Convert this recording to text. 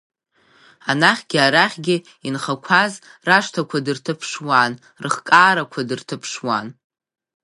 Анахьгьы арахьгьы инхақәоз рашҭақәа дырҭаԥшуан, рыхкаарақәа дырҭаԥшуан.